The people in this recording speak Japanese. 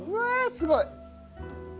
すごい！